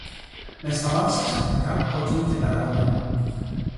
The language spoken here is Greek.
Μα σταμάτησε ξαφνικά, κόκκινη και ταραγμένη